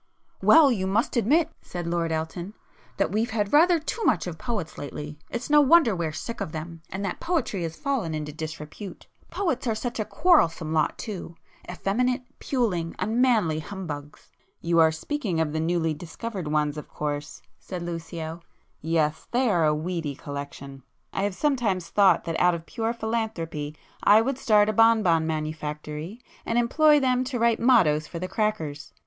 "Well, you must admit," said Lord Elton, "that we've had rather too much of poets lately. It's no wonder we're sick of them, and that poetry has fallen into disrepute. Poets are such a quarrelsome lot too—effeminate, puling, unmanly humbugs!" "You are speaking of the newly 'discovered' ones of course," said Lucio—"Yes, they are a weedy collection. I have sometimes thought that out of pure philanthropy I would start a bon bon manufactory, and employ them to [p 156] write mottoes for the crackers.